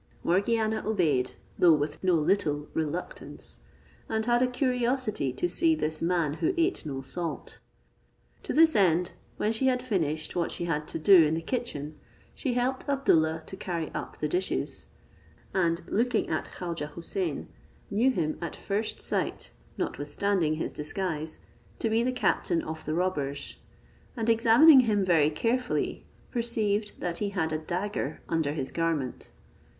Morgiana obeyed, though with no little reluctance, and had a curiosity to see this man who ate no salt. To this end, when she had finished what she had to do in the kitchen, she helped Abdoollah to carry up the dishes; and looking at Khaujeh Houssain, knew him at first sight, notwithstanding his disguise, to be the captain of the robbers, and examining him very carefully, perceived that he had a dagger under his garment.